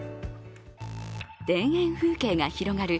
田園風景が広がる